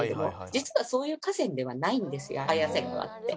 実はそういう河川ではないんです綾瀬川って。